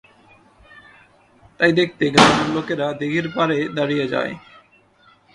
তাই দেখতে গ্রামের লোকেরা দিঘির পাড়ে দাঁড়িয়ে যায়।